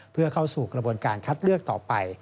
เพื่อเข้าสู่กระบวนการคัดเลือกต่อไป